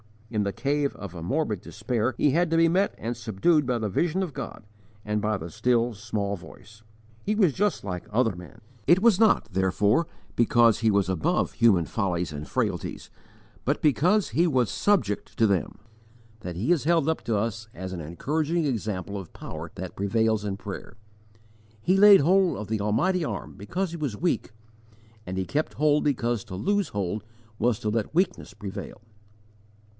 In the cave of a morbid despair, he had to be met and subdued by the vision of God and by the still, small voice. He was just like other men. It was not, therefore, because he was above human follies and frailties, but because he was subject to them, that he is held up to us as an encouraging example of power that prevails in prayer. He laid hold of the Almighty Arm because he was weak, and he kept hold because to lose hold was to let weakness prevail.